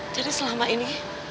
jadi selama ini